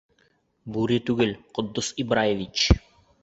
Бүре түгел, Ҡотдос Ибраевич!